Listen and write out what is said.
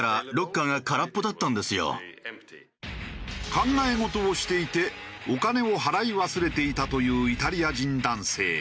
考え事をしていてお金を払い忘れていたというイタリア人男性。